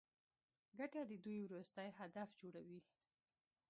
ګټه د دوی وروستی هدف جوړوي